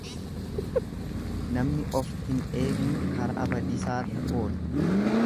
Namni of hin eegne karaa badiisaarra oola.